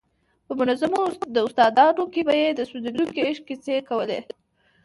په منظومو داستانونو کې به یې د سوځېدونکي عشق کیسې کولې.